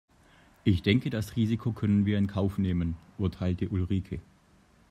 Ich denke das Risiko können wir in Kauf nehmen, urteilte Ulrike.